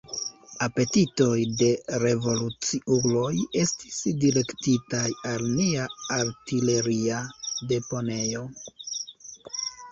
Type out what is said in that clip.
Apetitoj de revoluciuloj estis direktitaj al nia artileria deponejo.